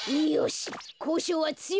こうしょうはつよきでいこう。